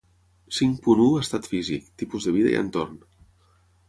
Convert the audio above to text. Cinc punt u Estat físic, tipus de vida i entorn.